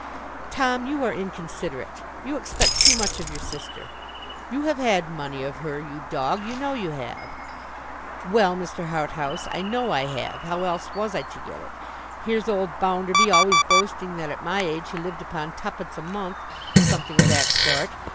'Tom, you are inconsiderate: you expect too much of your sister. You have had money of her, you dog, you know you have.' 'Well, Mr. Harthouse, I know I have. How else was I to get it? Here's old Bounderby always boasting that at my age he lived upon twopence a month, or something of that sort.